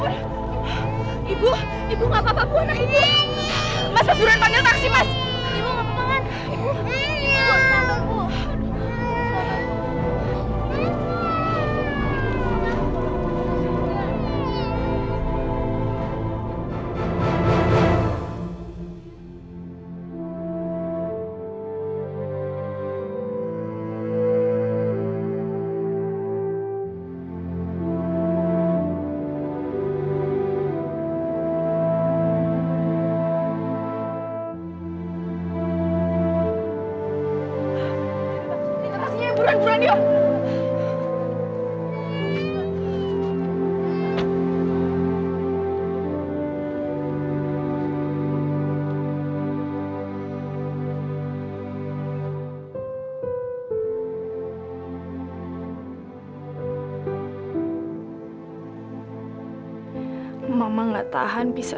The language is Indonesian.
sampai jumpa di video selanjutnya